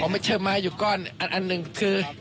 ไม่ใช่ไม้อยู่ก้อนอันหนึ่งคือ